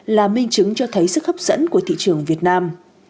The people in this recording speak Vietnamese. là minh chứng cho thấy sức hấp dẫn của thị trường việt nam